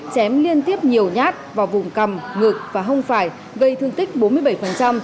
chém liên tiếp nhiều nhát vào vùng cầm ngực và hông phải gây thương tích bốn mươi bảy